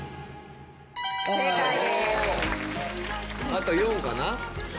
あと４かな。